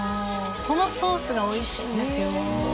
このソースがおいしいんですよ